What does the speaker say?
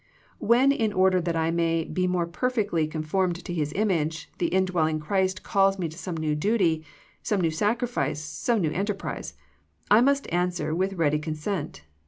' When in order that I may be more perfectly conformed to His image, the indwelling Christ calls me to some new duty, some new sacrifice, some new enterprise, I must answer with ready consent.